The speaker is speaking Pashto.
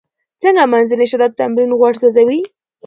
څنګه منځنی شدت تمرین غوړ سوځوي؟